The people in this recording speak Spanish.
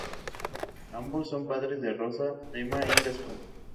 Ambos son padres de Rosa, Ema y Gaspar.